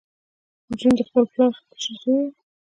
جون د خپل پلار کشر زوی و